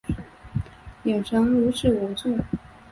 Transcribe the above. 眼神如此无助